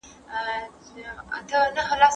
هلته داسي ګړ و کړوز و.